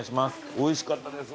おいしかったです